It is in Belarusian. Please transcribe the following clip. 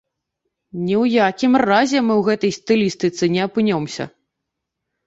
Ні ў якім разе мы ў гэтай стылістыцы не апынёмся.